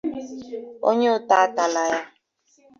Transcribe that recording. onye ụta atala ya'.